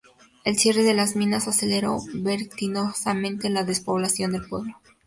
El cierre de las minas aceleró vertiginosamente la despoblación del pueblo.